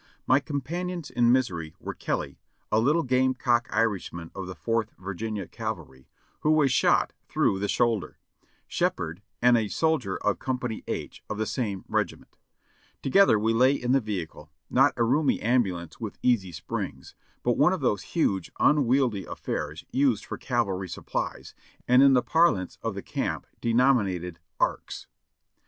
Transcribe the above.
My companions in misery were Kelly, a little game cock Irish man of the Fourth Virginia Cavalry, who was shot through the shoulder; Shepherd and a soldier of Compariy H, of the same regiment. Together we lay in the vehicle, not a roomy ambulance with easy springs, but one of those huge, unwieldy affairs used for cavalry supplies, and in the parlance of the camp denominated "arks.''